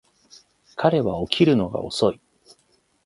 彼は起きるのが遅い